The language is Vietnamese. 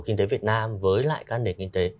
kinh tế việt nam với lại các nền kinh tế